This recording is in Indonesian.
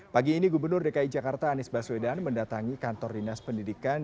pagi ini gubernur dki jakarta anies baswedan mendatangi kantor dinas pendidikan